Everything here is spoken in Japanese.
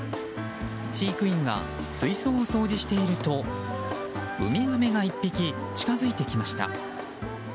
飼育員が水槽を掃除しているとウミガメが１匹近づいてきました。